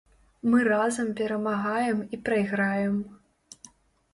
Мы разам перамагаем і прайграем.